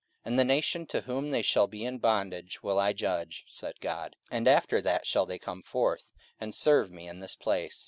44:007:007 And the nation to whom they shall be in bondage will I judge, said God: and after that shall they come forth, and serve me in this place.